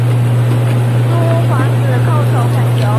诸皇子叩首恳求。